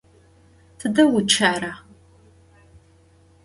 Tıde vuççera?